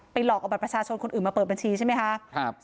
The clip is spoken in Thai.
หลอกเอาบัตรประชาชนคนอื่นมาเปิดบัญชีใช่ไหมคะครับ